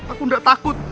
aku tidak takut